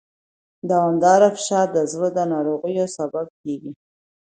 دوامداره فشار د زړه ناروغیو سبب کېږي.